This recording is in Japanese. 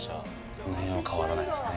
この辺は変わらないですね。